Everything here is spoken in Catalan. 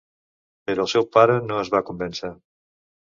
Però el seu pare no es va convèncer